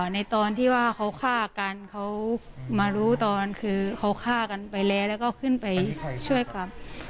ในตอนที่ว่าเขาฆ่ากันเขามารู้ตอนคือเขาฆ่ากันไปแล้วแล้วก็ขึ้นไปช่วยกลับ